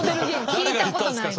聞いたことないのよ。